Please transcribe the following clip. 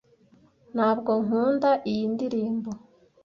Ntabwo nkunda iyi ndirimbo.